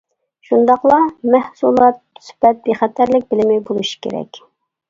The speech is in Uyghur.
شۇنداقلا مەھسۇلات سۈپەت بىخەتەرلىك بىلىمى بولۇشى كېرەك.